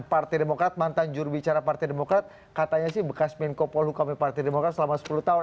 partai demokrat mantan jurubicara partai demokrat katanya sih bekas menko polu kami partai demokrat selama sepuluh tahun